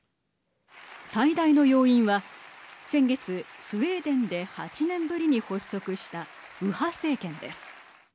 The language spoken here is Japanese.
最大の要因は先月、スウェーデンで８年ぶりに発足した右派政権です。